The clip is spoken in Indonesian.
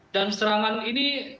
dan serangan ini